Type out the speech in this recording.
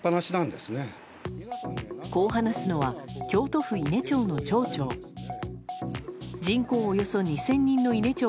こう話すのは京都府伊根町の町長。